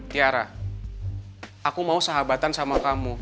tiara aku mau sahabatan sama kamu